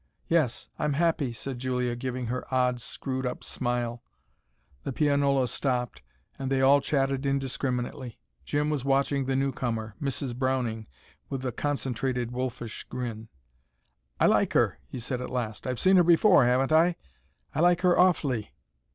"Yes I'm happy," said Julia, giving her odd, screwed up smile. The pianola stopped, they all chatted indiscriminately. Jim was watching the new comer Mrs. Browning with a concentrated wolfish grin. "I like her," he said at last. "I've seen her before, haven't I? I like her awfully."